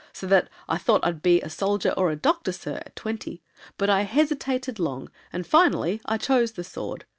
So that I thought I'd be A soldier or a doctor, sir, at twenty. But I hesitated long, and finally I chose the sword.